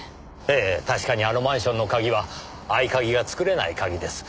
ええ確かにあのマンションの鍵は合鍵が作れない鍵です。